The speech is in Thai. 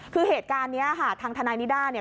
คือเหตุการณ์นี้ค่ะทางทนายนิด้าเนี่ย